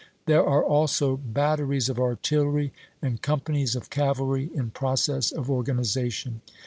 There are also batteries of artillery and companies of cavalry in process of organization.